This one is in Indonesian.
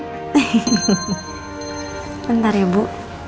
bentar ya bu